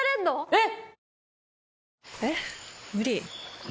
えっ！